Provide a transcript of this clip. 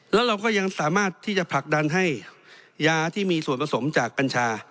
แล้วเราก็ยังสามารถที่จะผลักดันให้ยาที่มีส่วนผสมจากกัญชา